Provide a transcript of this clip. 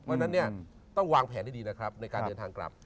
เพราะฉะนั้นเนี่ยต้องวางแผนให้ดีนะครับในการเดินทางกลับ